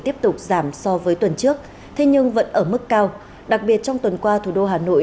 tiếp tục giảm so với tuần trước thế nhưng vẫn ở mức cao đặc biệt trong tuần qua thủ đô hà nội